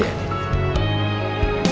ya allah ya allah